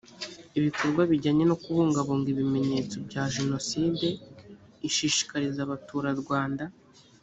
ibikorwa bijyanye no kubungabunga ibimenyetso bya jenoside ishishikariza abaturarwanda